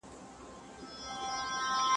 مشاور بې پوښتنې نه ټاکل کېږي.